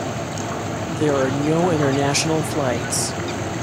There are no international flights.